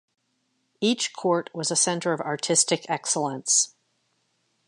Each court was a center of artistic excellence.